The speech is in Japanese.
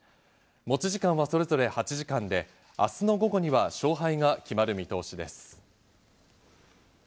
持ち時間はそれぞれ８時間で明日の午後には勝敗が決まる見通しです。